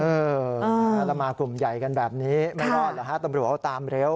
แล้วมากลุ่มใหญ่กันแบบนี้ไม่รอดเหรอฮะตำรวจเขาตามเร็ว